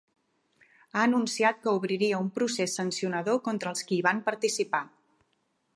Ha anunciat que obriria un procés sancionador contra els qui hi van participar.